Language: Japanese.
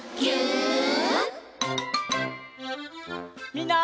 みんな。